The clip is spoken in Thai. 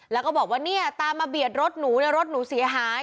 แล้วก็บอกว่าเนี่ยตามมาเบียดรถหนูเนี่ยรถหนูเสียหาย